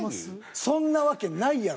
そんなわけないやろ。